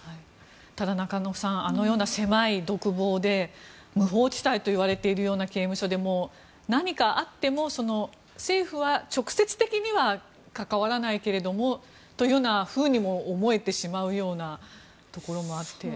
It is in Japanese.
ただ、中野さんあのような狭い独房で無法地帯といわれているような刑務所で何かあっても政府は直接的には関わらないけれどもというようなふうにも思えてしまうようなところもあって。